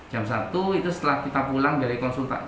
jam satu itu setelah kita pulang dari konsultasi